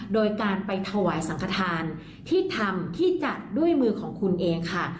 โดยการไปถวายสังขทานที่ทำที่จัดด้วยมือของคุณเองค่ะ